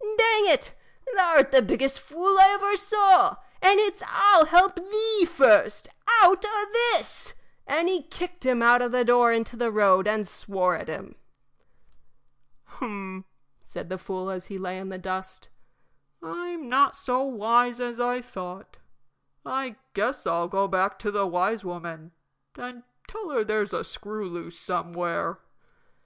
Dang it! thou 'rt the biggest fool I ever saw, and it's I'll help thee first out o' this!" And he kicked him out of the door into the road and swore at him. "Hum," said the fool, as he lay in the dust, "I'm not so wise as I thought. I guess I'll go back to the wise woman and tell her there's a screw loose somewhere."